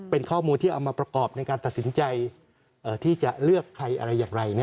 เป็นข้อมูลที่เอามาประกอบในการตัดสินใจที่จะเลือกใครอะไรอย่างไร